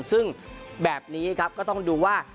ซึ่งแบบนี้ครับก็ต้องดูว่า